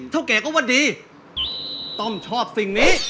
เท่าแกก็ว่าดี